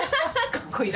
かっこいい。